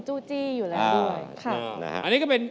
มินมินมินมิน